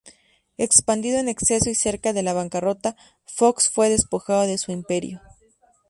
Expandido en exceso, y cerca de la bancarrota, Fox fue despojado de su imperio.